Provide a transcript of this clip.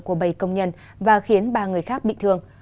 của bảy công nhân và khiến ba người khác bị thương